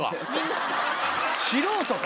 素人か！